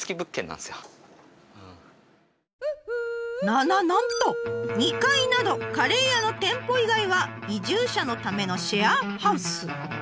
なななんと２階などカレー屋の店舗以外は移住者のためのシェアハウス。